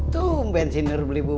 tuh bensin nur beli bubur